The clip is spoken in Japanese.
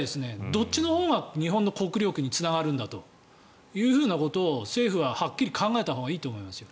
どっちのほうが日本の国力につながるんだということを政府ははっきり考えたほうがいいと思いますよ。